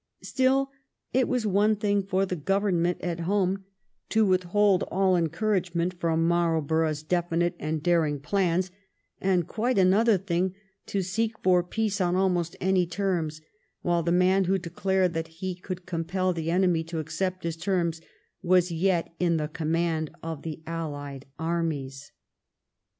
Still, it was one thing for the Government at home to withhold all encouragement from Marl borough's definite and daring plans, and quite another thing to seek for peace on almost any terms, while the man who declared that he could compel the enemy to accept his terms was yet in the command of the alhed armies.